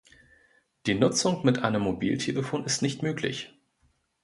Die Nutzung mit einem Mobiltelefon ist nicht möglich.